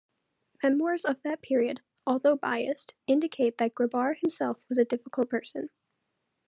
Memoirs of the period, although biased, indicate that Grabar himself was a difficult person.